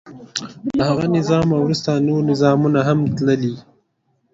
له هغه نظام وروسته نور نظامونه هم تللي.